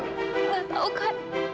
nggak tahu kak